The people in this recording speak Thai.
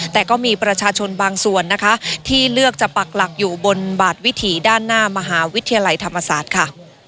แต่ก็มีประชาชนบางส่วนนะคะที่เลือกจะปักหลักอยู่บนบาดวิถีด้านหน้ามหาวิทยาลัยธรรมศาสตร์ค่ะ